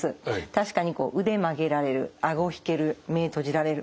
確かに腕曲げられる顎引ける目閉じられる。